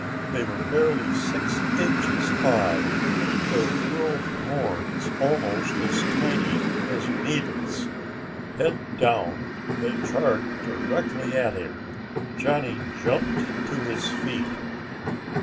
They were barely six inches high, their curled horns almost as tiny as needles. Head down, they charged directly at him. Johnny jumped to his feet.